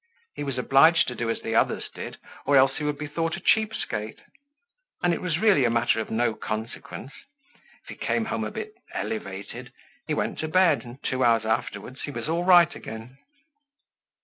He was obliged to do as the others did, or else he would be thought a cheap skate. And it was really a matter of no consequence. If he came home a bit elevated, he went to bed, and two hours afterwards he was all right again.